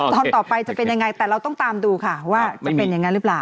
ตอนต่อไปจะเป็นยังไงแต่เราต้องตามดูค่ะว่าจะเป็นอย่างนั้นหรือเปล่า